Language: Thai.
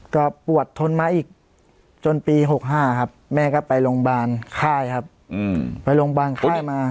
ก็ปวดทนมาอีกจนปี๖๕ครับแม่ก็ไปโรงพยาบาลค่ายครับไปโรงพยาบาลค่ายมา